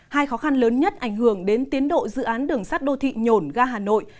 hai khó khăn lớn nhất ảnh hưởng đến tiến độ dự án đường sắt đô thị nhổn ga hà nội